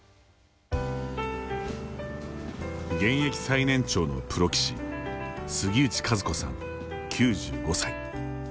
現役最年長のプロ棋士杉内寿子さん、９５歳。